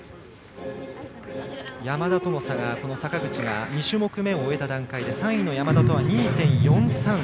山田との差が坂口が２種目めを終えた段階で３位の山田とは２．４３３。